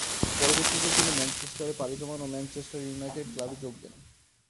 পরবর্তীতে তিনি ম্যানচেস্টারে পাড়ি জমান ও ম্যানচেস্টার ইউনাইটেড ক্লাবে যোগ দেন।